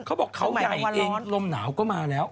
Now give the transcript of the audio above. เขาบอกเค้าใหญ่เนี่ยลมหนาวก็มาเนอะ